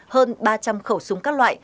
hơn ba trăm linh khẩu súng các loại